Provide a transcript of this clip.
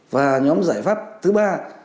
và nhóm giải pháp thứ ba